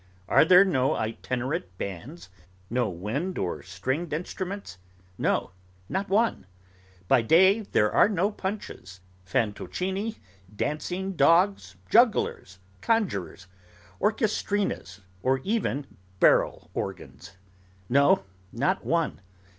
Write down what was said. Are there no itinerant bands; no wind or stringed instruments? No, not one. By day, are there no Punches, Fantoccini, Dancing dogs, Jugglers, Conjurers, Orchestrinas, or even Barrel organs? No, not one.